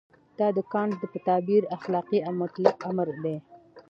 دا د کانټ په تعبیر اخلاقي مطلق امر دی.